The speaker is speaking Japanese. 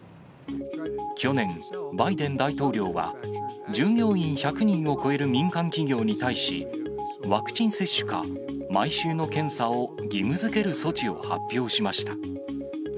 去年、バイデン大統領は、従業員１００人を超える民間企業に対し、ワクチン接種か、毎週の検査を義務づける措置を発表しました。